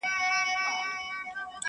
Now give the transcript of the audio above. چوروندک سو، پاچهي سوه، فرمانونه!.